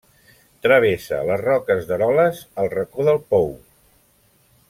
Travessa les Roques d'Eroles al Racó del Pou.